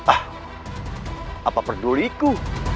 ah apa peduliku